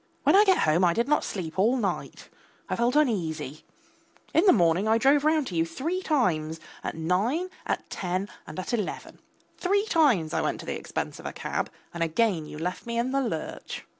When I get home I did not sleep all night, I felt uneasy; in the morning I drove round to you three times, at nine, at ten and at eleven; three times I went to the expense of a cab, and again you left me in the lurch.